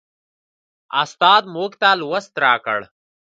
استاد موږ ته لوست راکړ.